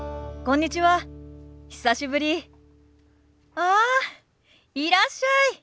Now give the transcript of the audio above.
ああいらっしゃい。